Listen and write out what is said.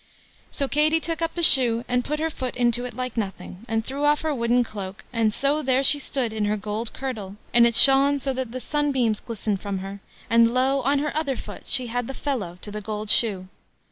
So Katie took up the shoe, and put her foot into it like nothing, and threw off her wooden cloak; and so there she stood in her gold kirtle, and it shone so that the sunbeams glistened from her; and, lo! on her other foot she had the fellow to the gold shoe.